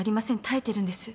耐えてるんです。